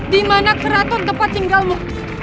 dimana keraton tempat tinggalmu